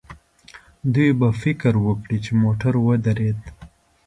دوی به فکر وکړي چې موټر ودرېد.